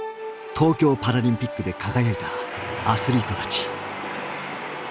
東京パラリンピックで輝いたアスリートたち。